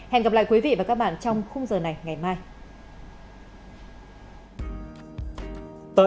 hẹn gặp lại quý vị và các bạn trong khung giờ này ngày mai